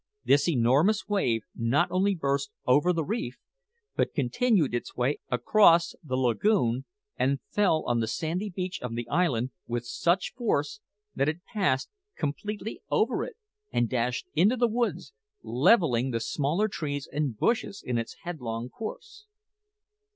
This enormous wave not only burst over the reef, but continued its way across the lagoon, and fell on the sandy beach of the island with such force that it passed completely over it and dashed into the woods, levelling the smaller trees and bushes in its headlong course.